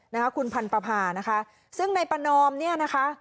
นะคะคุณพันธภานะคะซึ่งในประนอมเนี่ยนะคะ